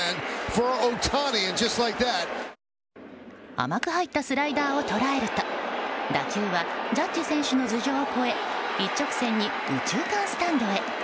甘く入ったスライダーを捉えると打球はジャッジ選手の頭上を越え一直線に右中間スタンドへ。